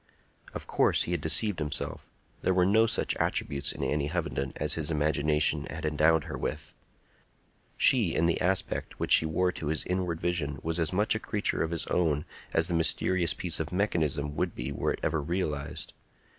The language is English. Of course he had deceived himself; there were no such attributes in Annie Hovenden as his imagination had endowed her with. She, in the aspect which she wore to his inward vision, was as much a creature of his own as the mysterious piece of mechanism would be were it ever realized.